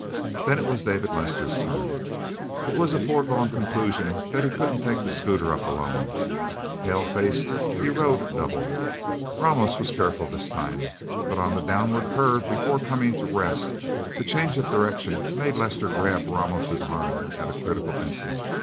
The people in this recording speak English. Then it was David Lester's turn. It was a foregone conclusion that he couldn't take the scooter up, alone. Palefaced, he rode double. Ramos was careful this time. But on the downward curve before coming to rest, the change of direction made Lester grab Ramos' arm at a critical instant.